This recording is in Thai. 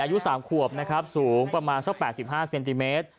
อายุสามควบนะครับสูงประมาณสักแปดสิบห้าเซนติเมตร